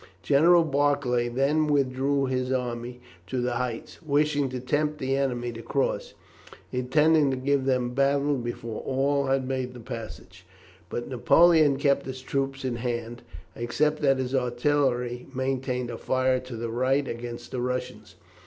General Barclay then withdrew his army to the heights, wishing to tempt the enemy to cross, intending to give them battle before all had made the passage; but Napoleon kept his troops in hand, except that his artillery maintained a fire to the right against the Russians.